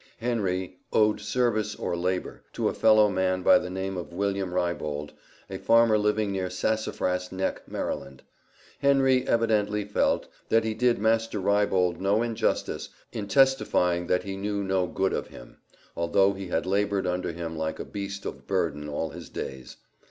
Henry "owed service or labor," to a fellow man by the name of William Rybold, a farmer living near Sassafras Neck, Md. Henry evidently felt, that he did master Rybold no injustice in testifying that he knew no good of him, although he had labored under him like a beast of burden all his days.